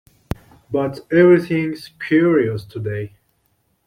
But everything’s curious today.